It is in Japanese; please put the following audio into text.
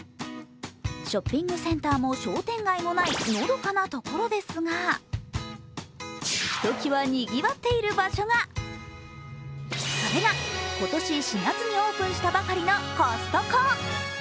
ショッピングセンターも商店街もないのどかな所ですがひときわにぎわっている場所がそれが今年４月にオープンしたばかりのコストコ。